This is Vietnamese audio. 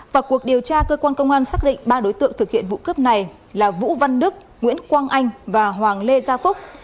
vào cuộc điều tra cơ quan công an xác định ba đối tượng thực hiện vụ cướp này là vũ văn đức nguyễn quang anh và hoàng lê gia phúc